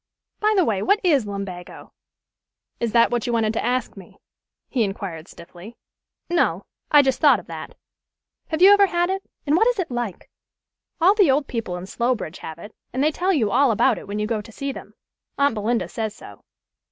By the way, what is lumbago?" "Is that what you wished to ask me?" he inquired stiffly. "No. I just thought of that. Have you ever had it? and what is it like? All the old people in Slowbridge have it, and they tell you all about it when you go to see them. Aunt Belinda says so.